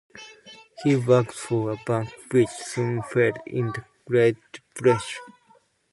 He worked for a bank which soon failed in the Great Depression.